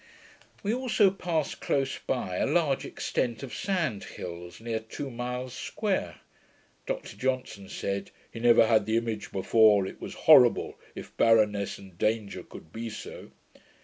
We also passed close by a large extent of sand hills, near two miles square. Dr Johnson said, 'he never had the image before. It was horrible, if barrenness and danger could be so.'